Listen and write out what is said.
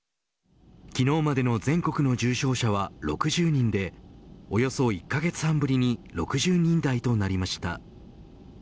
昨日までの全国の重症者は６０人でおよそ１カ月半ぶりに６０人台となりました。